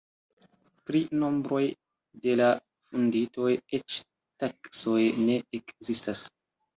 Pri nombroj de la vunditoj eĉ taksoj ne ekzistas.